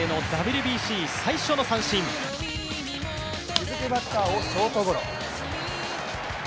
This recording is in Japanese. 続くバッターをショートゴロ。